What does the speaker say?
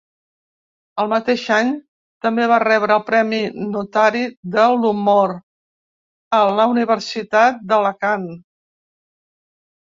El mateix any també va rebre el Premi Notari de l'Humor, a la Universitat d'Alacant.